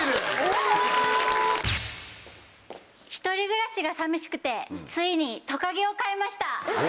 １人暮らしが寂しくてついにトカゲを飼いました。